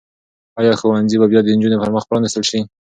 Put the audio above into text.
آیا ښوونځي به بیا د نجونو پر مخ پرانیستل شي؟